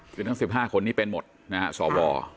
คือทั้ง๑๕คนนี้เป็นหมดนะฮะสว